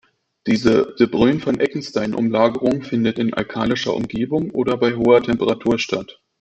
Diese de-Bruyn-van-Ekenstein-Umlagerung findet in alkalischer Umgebung oder bei hoher Temperatur statt.